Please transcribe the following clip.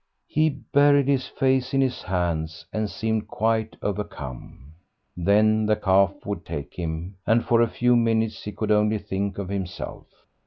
He buried his face in his hands, and seemed quite overcome. Then the cough would take him, and for a few minutes he could only think of himself.